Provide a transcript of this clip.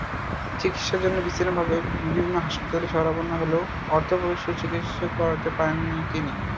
চিকিৎসার জন্য বিচ্ছিন্নভাবে বিভিন্ন হাসপাতালের শরণাপন্ন হলেও অর্থাভাবে সুচিকিৎসা করাতে পারেননি তিনি।